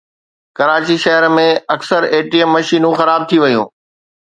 ڪراچي شهر ۾ اڪثر A T M مشينون خراب ٿي ويون